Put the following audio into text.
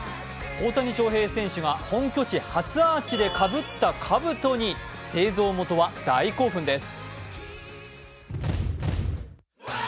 大谷翔平選手が本拠地初アーチでかぶったかぶとに製造元は大興奮です。